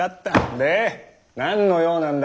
で何の用なんだ。